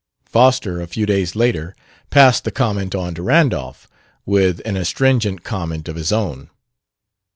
Foster, a few days later, passed the comment on to Randolph, with an astringent comment of his own.